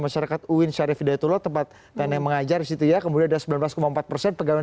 masyarakat uin syarif daya tulo tempat yang mengajar situ ya kemudian sembilan belas empat persen pegawai